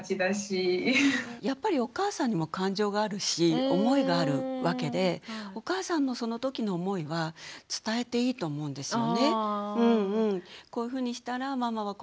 やっぱりお母さんにも感情があるし思いがあるわけでお母さんのその時の思いは伝えていいと思うんですよね。